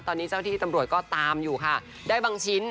ตอนนี้เจ้าที่ตำรวจก็ตามอยู่ค่ะได้บางชิ้น